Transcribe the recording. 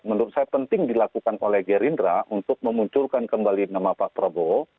menurut saya penting dilakukan oleh gerindra untuk memunculkan kembali nama pak prabowo